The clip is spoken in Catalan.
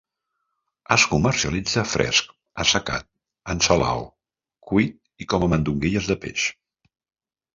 Es comercialitza fresc, assecat, en salaó, cuit i com a mandonguilles de peix.